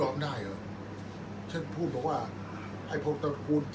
อันไหนที่มันไม่จริงแล้วอาจารย์อยากพูด